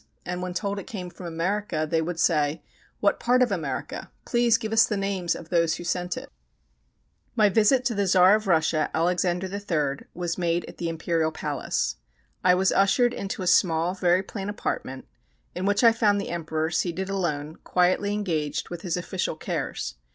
And when told it came from America, they would say: "What part of America? Please give us the names of those who sent it." My visit to the Czar of Russia, Alexander III., was made at the Imperial Palace. I was ushered into a small, very plain apartment, in which I found the Emperor seated alone, quietly engaged with his official cares.